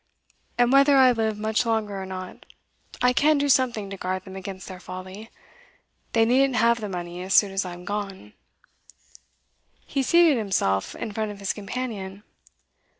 'And whether I live much longer or not, I can do something to guard them against their folly. They needn't have the money as soon as I am gone.' He seated himself in front of his companion.